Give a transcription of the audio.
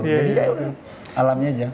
jadi kayak udah alami aja